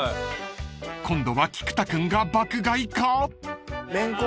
［今度は菊田君が爆買いか？］